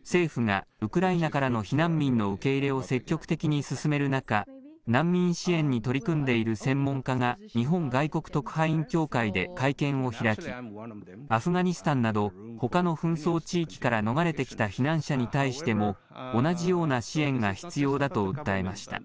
政府がウクライナからの避難民の受け入れを積極的に進める中、難民支援に取り組んでいる専門家が、日本外国特派員協会で会見を開き、アフガニスタンなど、ほかの紛争地域から逃れてきた避難者に対しても、同じような支援が必要だと訴えました。